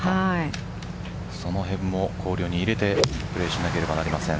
その辺も考慮に入れてプレーしなければなりません。